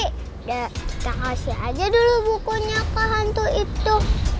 kita kasih aja dulu bukunya ke hantu itu